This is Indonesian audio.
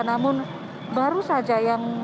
namun baru saja yang